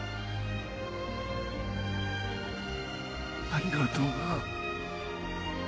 ありがとうな。